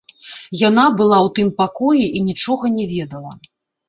Яна была ў тым пакоі і нічога не ведала.